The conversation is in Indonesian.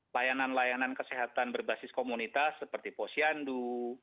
layanan layanan kesehatan berbasis komunitas seperti posyandu